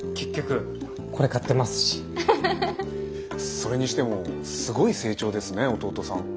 それにしてもすごい成長ですね弟さん。